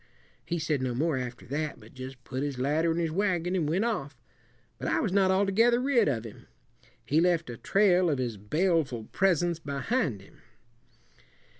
He said no more after that, but just put his ladder in his wagon and went off. But I was not altogether rid of him. He left a trail of his baleful presence behind him.